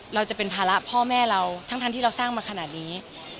เราจะเป็นภาระพ่อแม่เราทั้งที่เราสร้างมาขนาดนี้